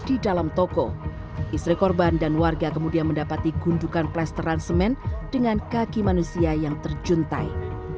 di dalam toko istri korban dan warga kemudian mendapati gundukan plesteran semen dengan kaki manusia yang terjuntai